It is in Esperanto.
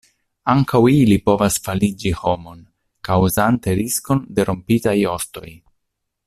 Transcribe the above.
Ankaŭ ili povas faligi homon, kaŭzante riskon de rompitaj ostoj.